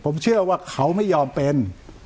ผมเชื่อว่าเขาไม่ยอมเป็น